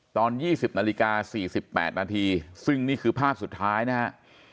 ตอน๒๐นาฬิกา๔๘นาทีซึ่งนี่คือภาพสุดท้ายนะฮะ